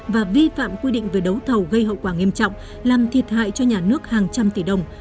và vi phạm quy định về đấu thầu gây hậu quả nghiêm trọng làm thiệt hại cho nhà nước hàng trăm tỷ đồng